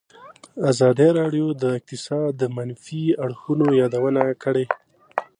ازادي راډیو د اقتصاد د منفي اړخونو یادونه کړې.